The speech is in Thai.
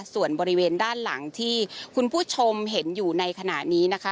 ส่วนบริเวณด้านหลังที่คุณผู้ชมเห็นอยู่ในขณะนี้นะคะ